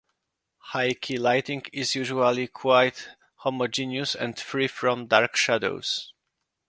High-key lighting is usually quite homogeneous and free from dark shadows.